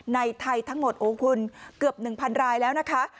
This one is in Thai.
ในไทยทั้งหมดโอ้คุณเกือบ๑๐๐รายแล้วนะคะ